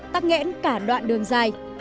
tắc nghẽn cả đoạn đường dài